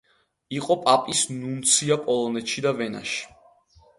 იყო პაპის ნუნცია პოლონეთში და ვენაში.